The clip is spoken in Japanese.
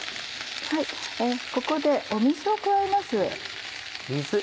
ここで水を加えます。